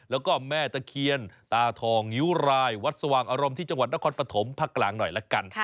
แล้วก็แม่ตะเคียนตาทองงิ้วรายวัดสว่างอารมณ์ที่จังหวัดนครปฐมภาคกลางหน่อยละกัน